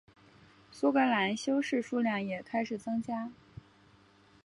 苏格兰修士数量也开始增加。